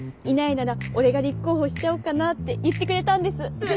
いないなら俺が立候補しちゃおうかな」って言ってくれたんです。